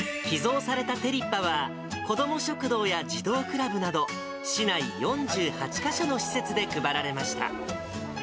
寄贈されたテリッパは、子ども食堂や児童クラブなど、市内４８か所の施設で配られました。